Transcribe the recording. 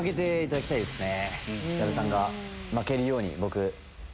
矢部さんが負けるように。